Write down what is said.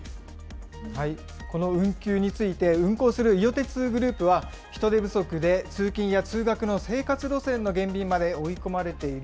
この運休について、運行する伊予鉄グループは、人手不足で通勤や通学の生活路線の減便まで追い込まれている。